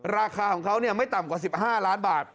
ราคาของเขาไม่ต่ำกว่า๑๕ล้านบาท